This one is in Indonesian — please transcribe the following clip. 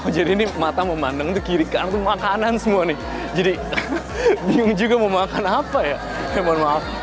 jadi ini mata memandang ke kiri kan makanan semua nih jadi juga mau makan apa ya